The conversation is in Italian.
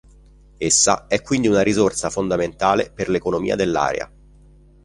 Essa è quindi una risorsa fondamentale per l'economia dell'area.